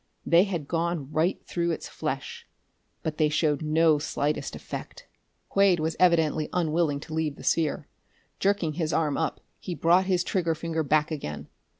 They had gone right through its flesh but they showed no slightest effect! Quade was evidently unwilling to leave the sphere. Jerking his arm up he brought his trigger finger back again.